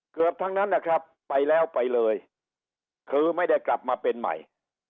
เกือบทั้งนั้นนะครับไปแล้วไปเลยคือไม่ได้กลับมาเป็นใหม่